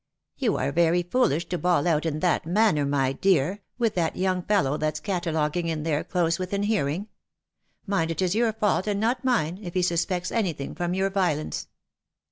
" You are very foolish to bawl out in that manner, my dear, with that young fellow that's cataloguing in there, close within hearing. Mind, it is your fault and not mine, if he suspects any thing from your violence."